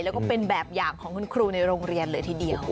แล้วก็เป็นแบบอย่างของคุณครูในโรงเรียนเลยทีเดียว